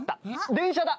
電車だ。